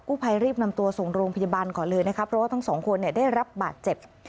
กู้ภัยรีบนำตัวส่งโรงพยาบาลก่อนเลยนะครับเพราะว่าทั้ง๒คนได้รับบาดเจ็บ